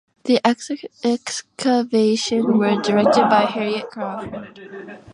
The excavations were directed by Harriet Crawford.